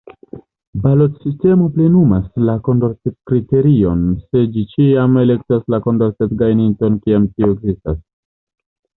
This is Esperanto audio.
Balotsistemo plenumas la Kondorcet-kriterion, se ĝi ĉiam elektas la Kondorcet-gajninton, kiam tiu ekzistas.